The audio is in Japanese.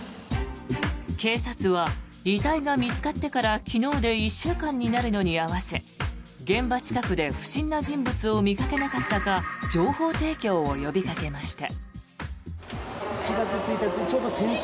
警察は遺体が見つかってから昨日で１週間になるのに合わせ現場近くで不審な人物を見かけなかったか情報提供を呼びかけました。